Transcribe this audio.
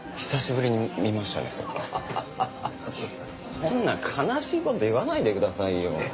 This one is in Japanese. そんな悲しい事言わないでくださいよ。